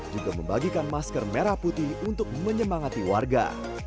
juga membagikan masker merah putih untuk menyemangati warga